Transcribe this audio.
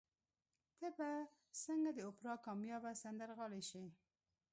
ته به څنګه د اوپرا کاميابه سندرغاړې شې؟